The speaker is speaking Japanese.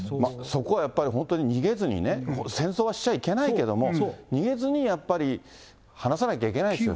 そこはやっぱり、本当に逃げずにね、戦争はしちゃいけないけども、逃げずにやっぱり、話さなきゃいけないですよ。